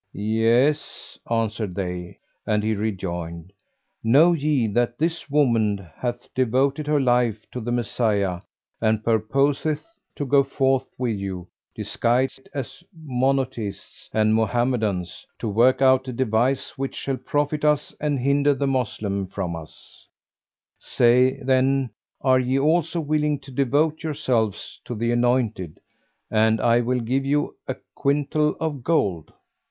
"Yes," answered they; and he rejoined, "Know ye that this woman hath devoted her life to the Messiah and purposeth to go forth with you, disguised as Monotheists and Mohammedans, to work out a device which shall profit us and hinder the Moslem from us: say, then, are ye also willing to devote yourselves to the Anointed and I will give you a quintal of gold?